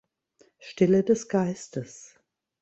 Stille des Geistes.